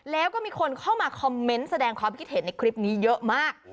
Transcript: แล้วก็มีคนเข้ามาคอมเมนต์แสดงความคิดเห็นในคลิปนี้เยอะมาก